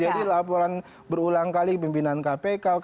laporan berulang kali pimpinan kpk